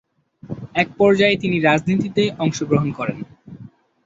এক পর্যায়ে তিনি রাজনীতিতে অংশগ্রহণ করেন।